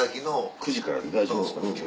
９時からで大丈夫ですかねキヨ